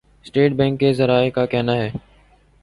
state bank کے ذرائع کا کہناہے